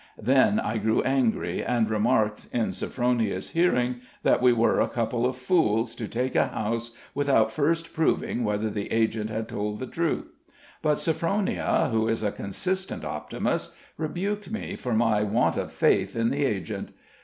Then I grew angry, and remarked, in Sophronia's hearing, that we were a couple of fools, to take a house without first proving whether the agent had told the truth. But Sophronia, who is a consistent optimist, rebuked me for my want of faith in the agent.